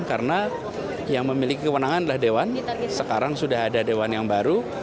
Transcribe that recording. karena yang memiliki kewenangan adalah dewan sekarang sudah ada dewan yang baru